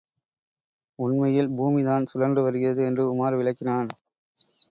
உண்மையில் பூமிதான் சுழன்று வருகிறது என்று உமார் விளக்கினான்.